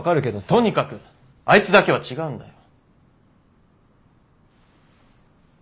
とにかくあいつだけは違うんだよ。